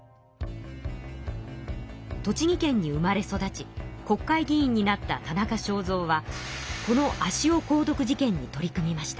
栃木県に生まれ育ち国会議員になった田中正造はこの足尾鉱毒事件に取り組みました。